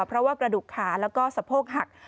เพราะว่ากระดูกขาแล้วก็สะโพกหัก